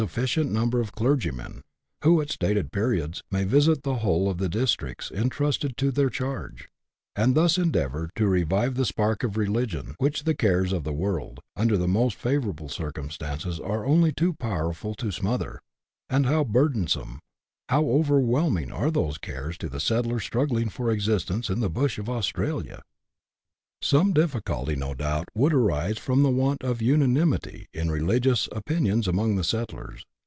ficient number of clergymen, who, at stated periods, may visit the whole of the districts entrusted to their charge; and thus endeavour to revive the spark of religion which the cares of the world, under the most favourable circumstances, are only too powerful to smother ; and how burdensome, how over whelming are those cares to the settler struggling for existence in the bush of Australia ! Some difficulty no doubt would arise from the want of una nimity in religious opinions among the settlers.